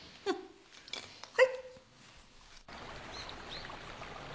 はい。